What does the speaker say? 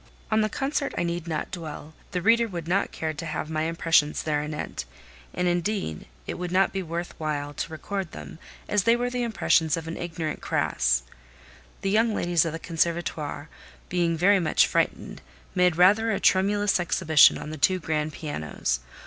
On the concert I need not dwell; the reader would not care to have my impressions thereanent: and, indeed, it would not be worth while to record them, as they were the impressions of an ignorance crasse. The young ladies of the Conservatoire, being very much frightened, made rather a tremulous exhibition on the two grand pianos.